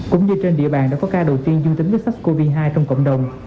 cũng như trên địa bàn đã có ca đầu tiên dương tính với sars cov hai trong cộng đồng